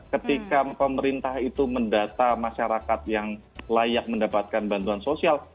ketika pemerintah itu mendata masyarakat yang layak mendapatkan bantuan sosial